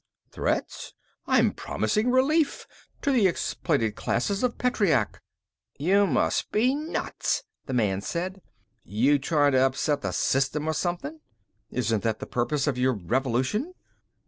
"Threats? I'm promising relief to the exploited classes of Petreac!" "You must be nuts," the man said. "You trying to upset the system or something?" "Isn't that the purpose of your revolution?"